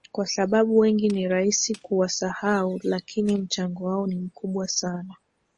Kwa sababu wengi ni rahisi kuwasahau lakini mchango wao ni mkubwa sana